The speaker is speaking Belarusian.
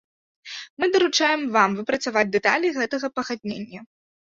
Мы даручаем вам выпрацаваць дэталі гэтага пагаднення.